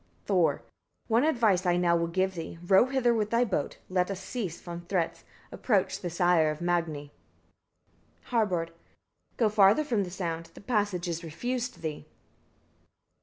Thor. 53. One advice I now will give thee: row hither with thy boat; let us cease from threats; approach the sire of Magni. Harbard. 54. Go farther from the sound, the passage is refused thee.